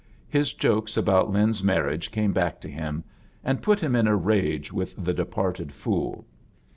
His Jokes about Lin's marriage came back to him and put hfm in a rage irith the departed fool.